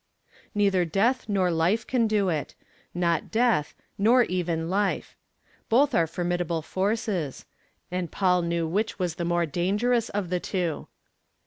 _' IV Neither death nor life can do it. Not death nor even life. Both are formidable forces; and Paul knew which was the more dangerous of the two.